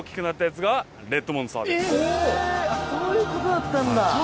そういうことだったんだ！